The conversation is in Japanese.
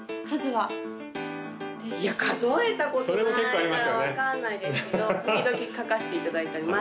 いや数えたことないから分かんないですけど時々書かせていただいております